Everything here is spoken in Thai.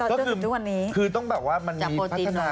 ก็คือต้องแบบว่ามันมีพัฒนา